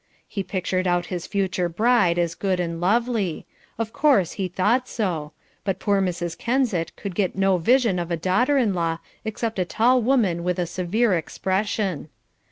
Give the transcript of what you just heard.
He pictured out his future bride as good and lovely. Of course he thought so, but poor Mrs. Kensett could get no vision of a daughter in law except a tall woman with severe expression.